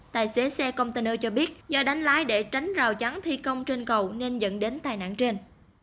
tài xế xe container cho biết do đánh lái để tránh rào chắn thi công trên cầu nên dẫn đến tai nạn trên